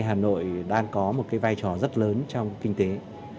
hà nội đang có một cái vai trò rất lớn trong kinh tế